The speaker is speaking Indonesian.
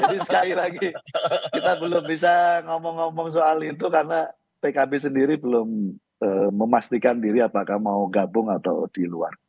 jadi sekali lagi kita belum bisa ngomong ngomong soal itu karena pkp sendiri belum memastikan diri apakah mau gabung atau di luar